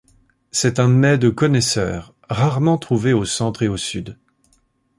C'est un mets de connaisseur, rarement trouvé au Centre et au Sud.